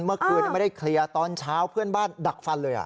เมื่อคืนไม่ได้เคลียร์ตอนเช้าเพื่อนบ้านดักฟันเลย